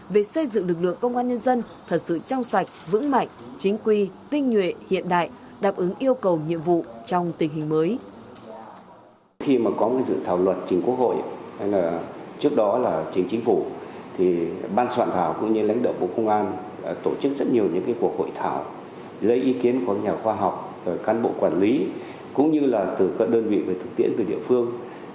về xây dựng lực lượng công an dân dân